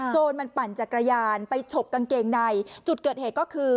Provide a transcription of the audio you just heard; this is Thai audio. จนมันปั่นจักรยานไปฉกกางเกงในจุดเกิดเหตุก็คือ